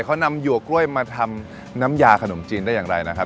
เขานำหยั่วกล้วยมาทำน้ำยาขนมจีนได้อย่างไรนะครับ